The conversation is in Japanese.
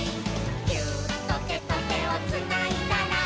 「ギューッとてとてをつないだら」